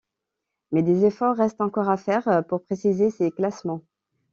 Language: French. Mais des efforts restent encore à faire pour préciser ces classements.